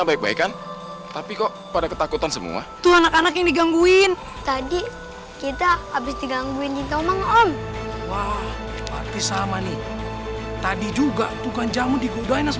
baik baikan tapi kok pada ketakutan semua tuh anak anak yang digangguin tadi kita habis digangguin